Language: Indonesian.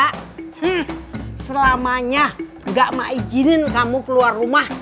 hmm selamanya nggak ma izinin kamu keluar rumah